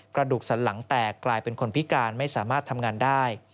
กระดูกสันหลังแตกกลายเป็นคนพิการไม่สามารถทำงานได้